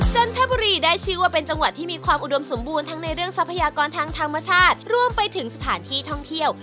จันทบุรีได้ชื่อว่าเป็นจังหวัดที่มีความอุดมสมบูรณ์ทั้งในเรื่องทรัพยากรทางธรรมชาติรวมไปถึงสถานที่ท่องเที่ยว